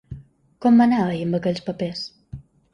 Com va anar ahir amb aquells papers?